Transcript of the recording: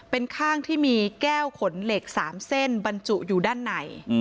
เป็นข้างที่มีแก้วขนเหล็ก๓เส้นบรรจุอยู่ด้านใน